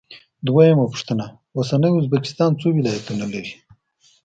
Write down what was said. دویمه پوښتنه: اوسنی ازبکستان څو ولایتونه لري؟